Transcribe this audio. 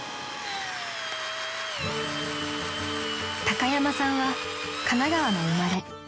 ［高山さんは神奈川の生まれ］